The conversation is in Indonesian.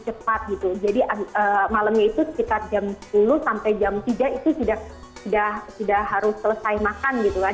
jadi malamnya itu sekitar jam sepuluh sampai jam tiga itu tidak harus selesai makan gitu kan